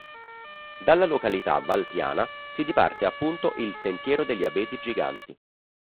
Dalla località "Valpiana" si diparte appunto il "Sentiero degli Abeti giganti".